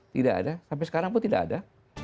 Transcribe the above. tidak ada sampai sekarang pun tidak ada